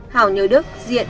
hảo nhớ đức diện